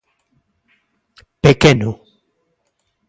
Pequeno.